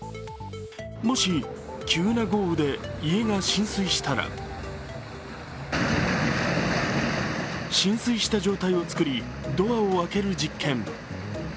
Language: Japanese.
もし急な豪雨で家が浸水したら浸水した状態を作りドアを開ける実験。